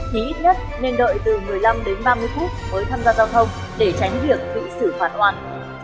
thì ít nhất nên đợi từ một mươi năm đến ba mươi phút mới tham gia giao thông để tránh việc bị xử phạt hoàn